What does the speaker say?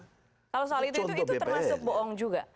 kalau soal itu termasuk bohong juga